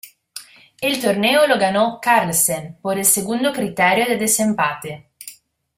El torneo lo ganó Carlsen por el segundo criterio de desempate.